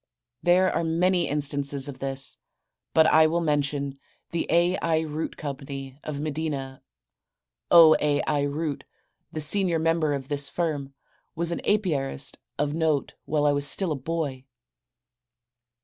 There are many instances of this, but I will mention The A. I. Root Co., of Medina, O. A. I. Root, the senior member of this firm, was an apiarist of note while I was still a little boy.